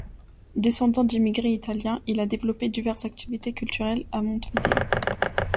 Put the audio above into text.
Descendant d'immigrés italiens, il a développé diverses activités culturelles à Montevideo.